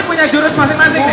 punya jurus masing masing nih